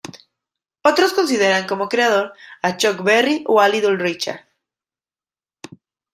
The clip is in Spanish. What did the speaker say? Otros consideran como creador a Chuck Berry o a Little Richard.